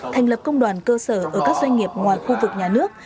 thành lập công đoàn cơ sở ở các doanh nghiệp ngoài khu vực nhà nước